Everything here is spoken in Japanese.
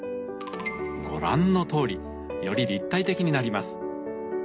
ご覧のとおりより立体的になります。